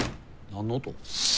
何の音？